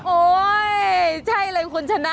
โอ๊ยใช่เลยคุณชนะ